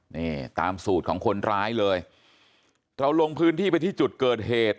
นี่ตามสูตรของคนร้ายเลยเราลงพื้นที่ไปที่จุดเกิดเหตุ